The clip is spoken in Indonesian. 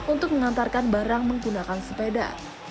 untuk mengantarkan barang menggunakan sepeda